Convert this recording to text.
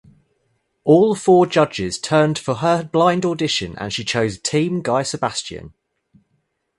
All four judges turned for her blind audition and she chose Team Guy Sebastian.